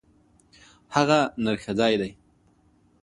هغه نرښځی دی.